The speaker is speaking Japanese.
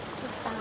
あ